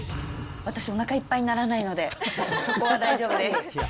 私、おなかいっぱいにならないので、そこは大丈夫です。